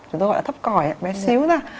chúng tôi gọi là thấp còi bé xíu ra